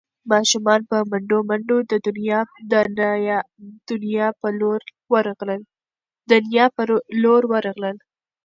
ماشومان په منډو منډو د نیا په لور ورغلل.